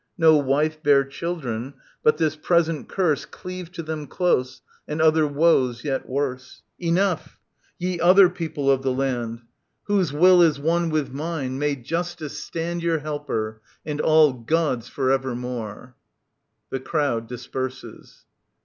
No wife bear children, but this present curse Cleave to them close and other woes yet worse. Enough : ye other people of the land, IS SOPHOCLES TT. 274 289 Whose will is one with mine, may Justice stand Your helper, and all gods for evermore. [The crowd disperses.